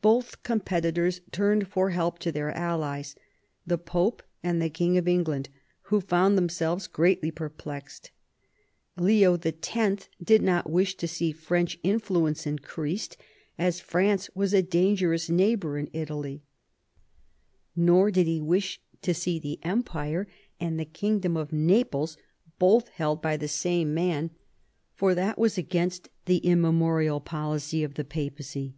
Both competitors turned for help to their allies, the Pope and the King of England, who foimd themselves greatly perplexed. Leo X. did not wish to see French influence increased, as France was a dangerous neigh bour in Italy ; nor did he wish to see the empire and the kingdom of Naples both held by the same man, for that was against the immemorial policy of the Papacy.